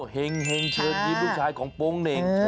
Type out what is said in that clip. เห็งเชิญยิ้มลูกชายของโป๊งเหน่ง